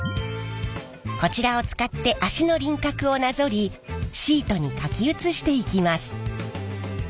こちらを使って足の輪郭をなぞりシートに書き写していきます。